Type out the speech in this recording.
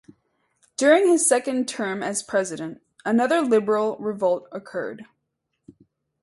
During his second term as president, another Liberal revolt occurred.